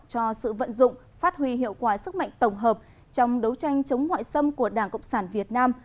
cho sự vận dụng phát huy hiệu quả sức mạnh tổng hợp trong đấu tranh chống ngoại xâm của đảng cộng sản việt nam